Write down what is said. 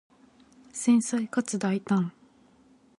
繊細かつ大胆